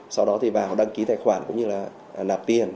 sau đó thì bảo đăng ký tài khoản cũng như là nạp tiền